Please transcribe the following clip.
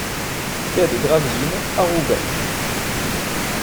Quai de Gravelines à Roubaix